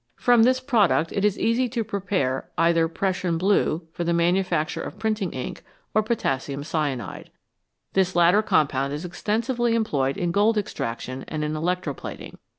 From this product it is easy to prepare either Prussian blue, for the manufacture of printing ink, or potassium cyanide. This latter compound is extensively employed in gold extraction and in electro plating.